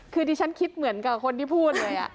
คือดิฉันคิดเหมือนกับคนที่พูดเลย